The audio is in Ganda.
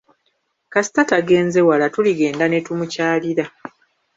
Kasita tagenze wala tuligenda ne tumukyalira.